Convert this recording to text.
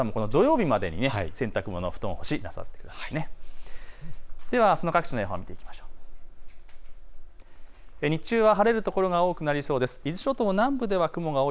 土曜日までに洗濯物、布団干しなさってください。